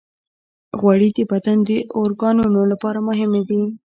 غوړې د بدن د اورګانونو لپاره مهمې دي.